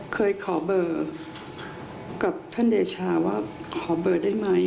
เคยขอเบอร์กับท่านเดชาว่าขอเบอร์ได้ไหม